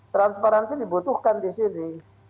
transparansi dibutuhkan disini